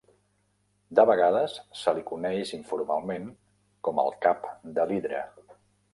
De vegades se li coneix informalment com el cap de l'hidra.